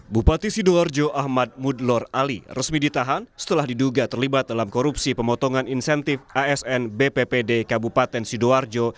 bupati sidoarjo ahmad mudlor ali resmi ditahan setelah diduga terlibat dalam korupsi pemotongan insentif asn bppd kabupaten sidoarjo